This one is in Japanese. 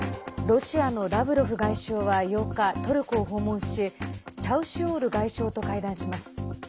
ロシアのラブロフ外相は、８日トルコを訪問しチャウシュオール外相と会談します。